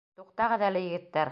Туҡтағыҙ әле, егеттәр!